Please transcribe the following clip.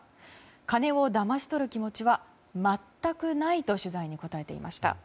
金をだまし取る気持ちは全くないと取材に答えていました。